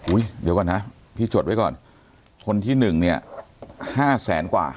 อุ้ยเดี๋ยวก่อนนะพี่จดไว้ก่อนคนที่๑เนี่ย๕แสนกว่า